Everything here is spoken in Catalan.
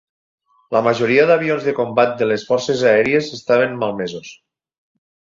La majoria d'avions de combat de les forces aèries estaven malmesos.